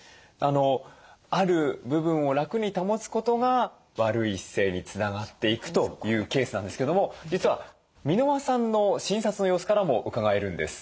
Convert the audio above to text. ある部分を楽に保つことが悪い姿勢につながっていくというケースなんですけども実は箕輪さんの診察の様子からもうかがえるんです。